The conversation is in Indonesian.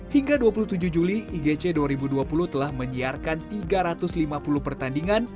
hingga dua puluh tujuh juli igc dua ribu dua puluh telah menyiarkan tiga ratus lima puluh pertandingan